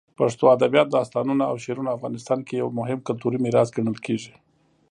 پښتو ادبیات، داستانونه، او شعرونه افغانستان کې یو مهم کلتوري میراث ګڼل کېږي.